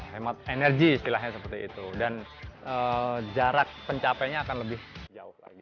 hemat energi istilahnya seperti itu dan jarak pencapaiannya akan lebih jauh lagi